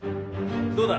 どうだ？